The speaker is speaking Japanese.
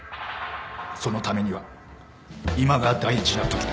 そのためには今が大事なときだ。